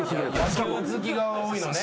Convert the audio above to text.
野球好きが多いのね。